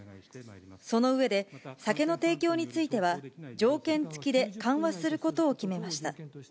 その上で、酒の提供については、条件付きで緩和することを決めました。